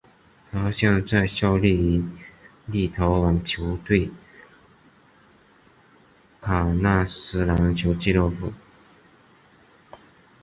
他现在效力于立陶宛球队考纳斯篮球俱乐部。